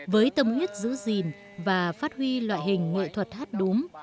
với tâm huyết giữ gìn và phát huy loại hình nghệ thuật hát đúng